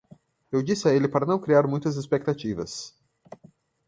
Eu disse a ele para não criar muitas expectativas.